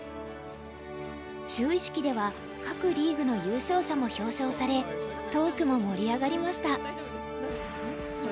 就位式では各リーグの優勝者も表彰されトークも盛り上がりました。